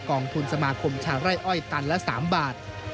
องทุนสมาคมชาวไร่อ้อยตันละ๓บาท